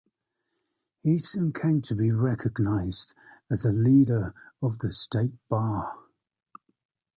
He soon came to be recognized as a leader of the state bar.